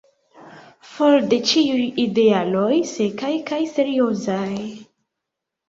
For de ĉiuj idealoj sekaj kaj seriozaj!"